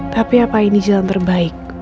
tapi apa ini jalan terbaik